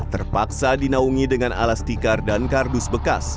terpaksa dinaungi dengan alas tikar dan kardus bekas